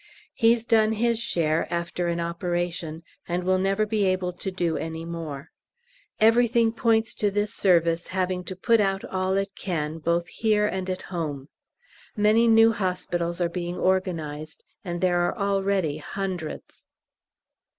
He's done his share, after an operation, and will never be able to do any more. Everything points to this Service having to put out all it can, both here and at home. Many new hospitals are being organised, and there are already hundreds.